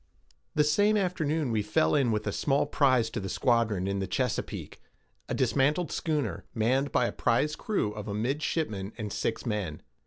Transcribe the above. The same afternoon we fell in with a small prize to the squadron in the Chesapeake, a dismantled schooner, manned by a prize crew of a midshipman and six men.